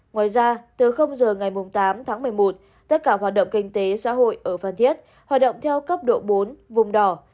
ngoài ra từ giờ ngày tám tháng một mươi một tất cả hoạt động kinh tế xã hội ở phan thiết hoạt động theo cấp độ bốn vùng đỏ